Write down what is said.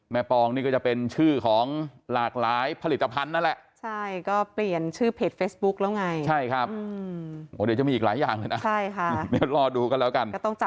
ปองนี่ก็จะเป็นชื่อของหลากหลายผลิตภัณฑ์นั่นแหละ